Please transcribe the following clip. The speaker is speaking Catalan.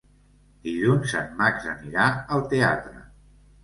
Dilluns en Max anirà al teatre.